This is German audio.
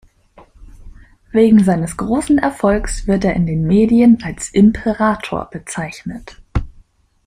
Wegen seines großen Erfolgs wird er in den Medien als Imperator bezeichnet.